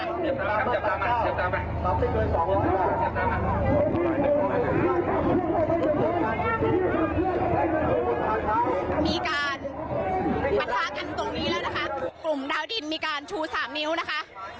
มีการปะทะกันตรงนี้แล้วนะคะกลุ่มดาวดินมีการชูสามนิ้วนะคะ